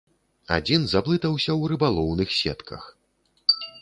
Адзін заблытаўся ў рыбалоўных сетках.